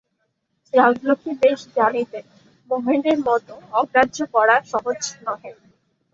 রাজলক্ষ্মী বেশ জানিতেন, মহেন্দ্রের মত অগ্রাহ্য করা সহজ নহে।